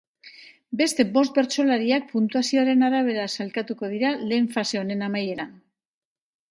Beste bost bertsolariak puntuazioaren arabera salkatuko dira lehen fase honen amaieran.